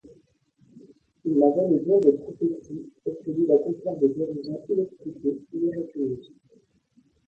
Il avait le don des prophéties, et celui d'accomplir des guérisons inexpliquées, miraculeuses.